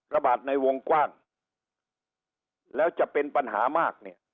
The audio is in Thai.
ระบาดในวงกว้างแล้วจะเป็นปัญหามากเนี่ย